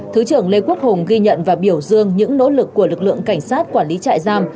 thứ trưởng lê quốc hùng ghi nhận và biểu dương những nỗ lực của lực lượng cảnh sát quản lý trại giam